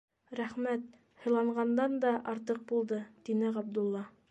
- Рәхмәт, һыйланғандан да артыҡ булды, - тине Ғабдулла.